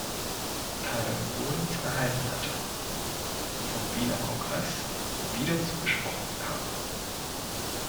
Teilung Polens erhalten hatte, vom Wiener Kongress wieder zugesprochen bekam.